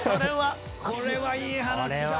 これはいい話だわ。